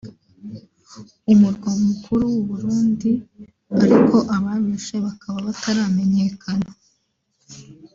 umurwa mukuru w’u Burundi ariko ababishe bakaba bataramenyekana